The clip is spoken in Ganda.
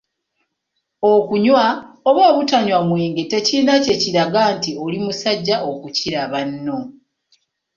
Okunywa oba obutanywa mwenge tekirina kye kiraga nti oli musajja okukira banno.